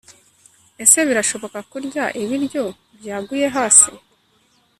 ese birashoboka kurya ibiryo byaguye hasi